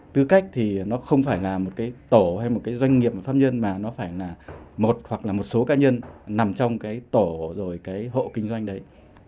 tư cách thì nó không phải là một cái tổ hay một cái doanh nghiệp pháp nhân mà nó phải là một hoặc là một số cá nhân nằm trong cái tổ rồi cái hộ kinh doanh đấy